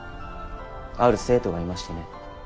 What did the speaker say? ある生徒がいましてね。